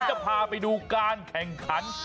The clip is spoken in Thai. จะพาไปดูการแข่งขัน